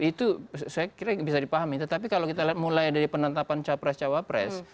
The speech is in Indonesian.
itu saya kira bisa dipahami tetapi kalau kita mulai dari penantapan cawapres cawapres